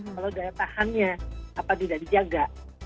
kalau daya tahannya apa tidak dijaga